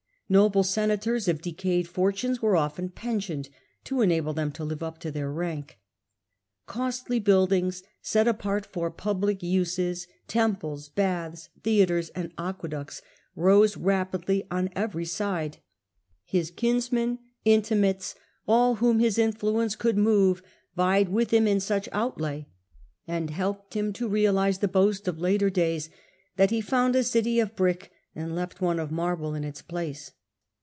Noble senators of decayed fortunes were often pensioned, to enable them to live up to their rank. Costly buildings set apart for public uses, temples, baths, theatres, and aqueducts, rose rapidly on every side. His kinsmen, intimates, all whom his influence could move, vied with him in such outlay, and helped him to realise the boast of later days, ^ that he found a city of brick and left one of marble in its place.